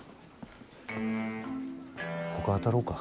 ほか当たろうか。